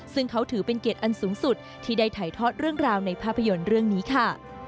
ซึ่งเขาถือเป็นเกียรติอันสูงสุดที่ได้ถ่ายทอดเรื่องราวในภาพยนตร์เรื่องนี้ค่ะ